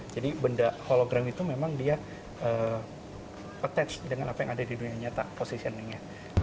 benda hologram itu memang dia attach dengan apa yang ada di dunia nyata positioningnya